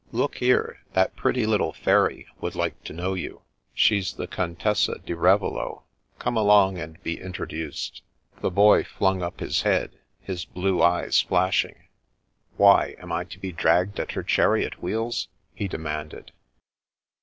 " Look here, that pretty little fairy would like to know you. She's the Contessa 4i Ravello. Come along and be introduced." The Boy flung up his head, his blue eyes flashing. " Why am I to be dragged at her chariot wheels ?" he demanded.